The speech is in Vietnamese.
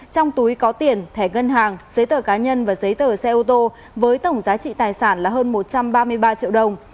trong túi có tiền thẻ ngân hàng giấy tờ cá nhân và giấy tờ xe ô tô với tổng giá trị tài sản là hơn một trăm ba mươi ba triệu đồng